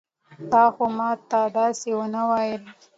تا خو ما ته داسې ونه ويل.